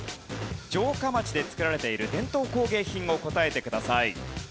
城下町で作られている伝統工芸品を答えてください。